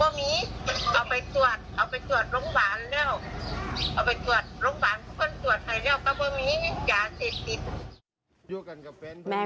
เอาไปตรวจโรงพยาบาลพ่อมีตรวจให้แล้ว